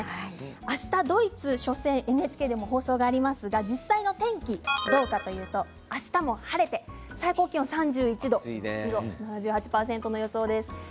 あしたはドイツ初戦ＮＨＫでも放送がありますが実際の天気はどうかというとあしたも晴れて最高気温３１度湿度７８％の予想です。